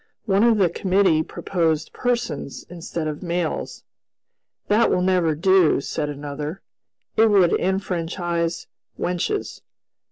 One of the committee proposed "persons" instead of "males." "That will never do," said another, "it would enfranchise wenches."